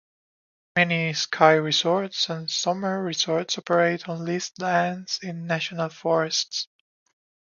Many ski resorts and summer resorts operate on leased land in National Forests.